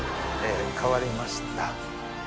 変わりました。